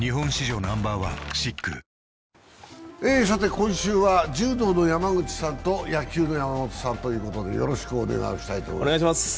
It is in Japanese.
今週は柔道の山口さんと野球の山本さんということでよろしくお願いします。